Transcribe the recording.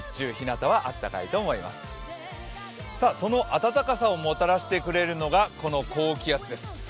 暖かさをもたらしてくれるのがこの高気圧です。